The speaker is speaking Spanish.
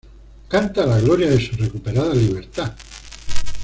Canta la gloria de su recuperada libertad.